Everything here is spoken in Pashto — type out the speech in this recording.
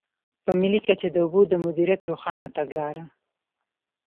په ملي کچه د اوبو د مدیریت روښانه تګلاره.